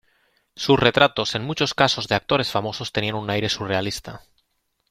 Sus retratos en muchos casos de actores famosos tenían un aire surrealista.